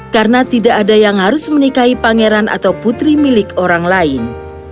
karena tidak ada yang harus menikahi pangeran atau putri milik orang lain